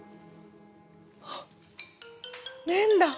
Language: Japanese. あっ面だ。